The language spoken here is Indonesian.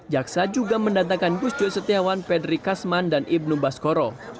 jaksa juga mendatangkan gusjo setiawan pedri kasman dan ibnu baskoro